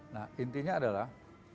nah intinya adalah